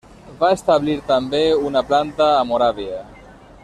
Va establir també una planta a Moràvia.